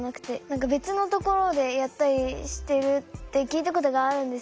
別のところでやったりしてるって聞いたことがあるんですよ。